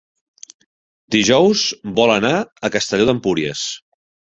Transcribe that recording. Dijous vol anar a Castelló d'Empúries.